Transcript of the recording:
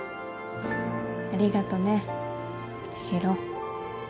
ありがとね千尋。